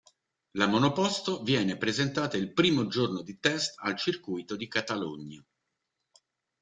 La monoposto viene presentata il primo giorno di test al Circuito di Catalogna.